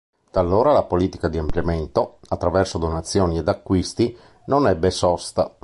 Da allora la politica di ampliamento, attraverso donazioni ed acquisti, non ebbe sosta.